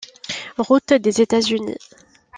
Route des États-Unis.